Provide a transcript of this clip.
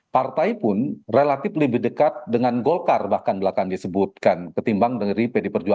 partai pun relatif lebih dekat dengan golkar bahkan disebutkan ketimbang dari pd perjuangan